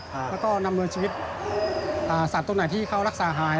แล้วก็ดำเนินชีวิตสัตว์ตัวไหนที่เขารักษาหาย